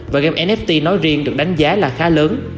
và game nft nói riêng được đánh giá là khá lớn